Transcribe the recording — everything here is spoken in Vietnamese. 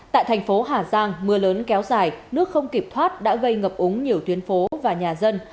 tại thành phố hà giang mưa lớn kéo dài nước không kịp thoát đã gây ngập úng nhiều tuyến phố và nhà dân